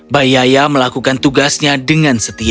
bayaya melakukan tugasnya dengan setia menjaga kastil